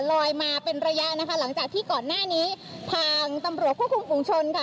ลอยมาเป็นระยะนะคะหลังจากที่ก่อนหน้านี้ทางตำรวจควบคุมฝุงชนค่ะ